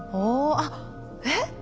あっえっ？